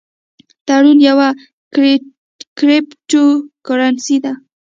ټرون یوه کریپټو کرنسي ده